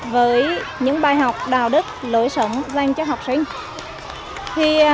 với những bài học đạo đức lối sống dành cho học sinh